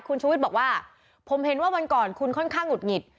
คุณชูวิทย์บอกว่าผมเห็นว่าวันก่อนคุณค่อนข้างหงุดหงิด